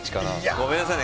ごめんなさい